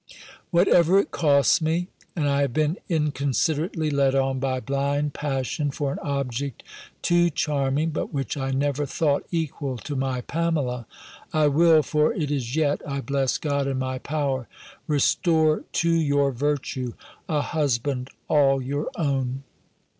Whatever it costs me, and I have been inconsiderately led on by blind passion for an object too charming, but which I never thought equal to my Pamela, I will (for it is yet, I bless God, in my power), restore to your virtue a husband all your own."